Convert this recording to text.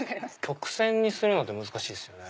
曲線にするのって難しいですよね。